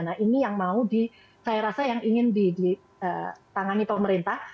nah ini yang mau di saya rasa yang ingin ditangani pemerintah